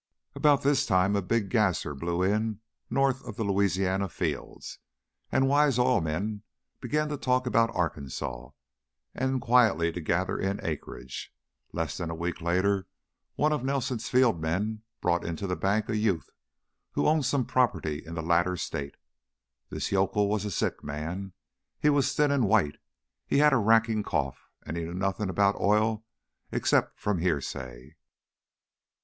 About this time a big gasser blew in north of the Louisiana fields, and wise oil men began to talk about Arkansas and quietly to gather in acreage. Less than a week later one of Nelson's field men brought into the bank a youth who owned some property in the latter state. This yokel was a sick man; he was thin and white; he had a racking cough, and he knew nothing about oil except from hearsay.